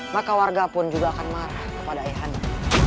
maka warga pun juga akan marah kepada ayah hadi